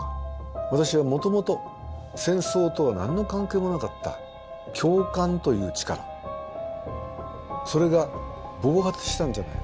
私はもともと戦争とは何の関係もなかった共感という力それが暴発したんじゃないか。